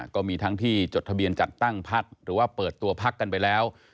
ก็มีทั้งที่จดทะเบียนจัดตั้งพักหรือว่าเปิดตัวพักกันไปแล้ว